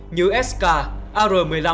như sk ar một mươi năm